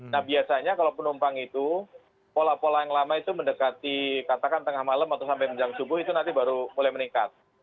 nah biasanya kalau penumpang itu pola pola yang lama itu mendekati katakan tengah malam atau sampai jam subuh itu nanti baru mulai meningkat